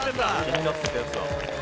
気になってたやつだ。